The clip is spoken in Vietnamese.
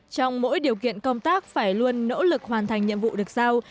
trong mỗi điều kiện công tác phải luôn nỗ lực hoàn thành nhiệm vụ được sao